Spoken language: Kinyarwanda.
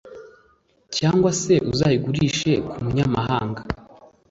cyangwa se uzayigurishe ku munyamahanga.